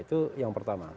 itu yang pertama